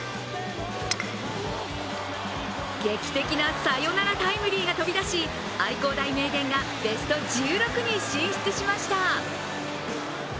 劇的なサヨナラタイムリーが飛び出し、愛工大名電がベスト１６に進出しました。